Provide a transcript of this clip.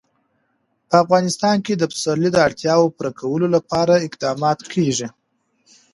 په افغانستان کې د پسرلی د اړتیاوو پوره کولو لپاره اقدامات کېږي.